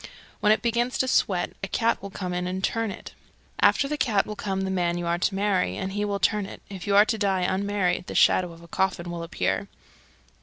When it begins to sweat a cat will come in and turn it. After the cat will come the man you are to marry, and he will turn it. If you are to die unmarried, the shadow of a coffin will appear.